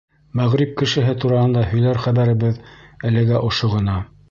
Мәғриб кешеһе тураһында һөйләр хәбәребеҙ әлегә ошо ғына.